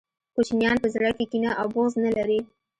کوچنیان په زړه کي کینه او بغض نلري